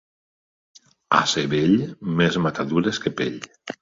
Ase vell, més matadures que pell.